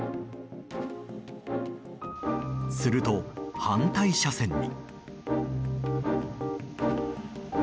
すると反対車線に。